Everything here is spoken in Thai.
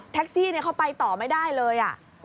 ที่เขาไปต่อไม่ได้เลย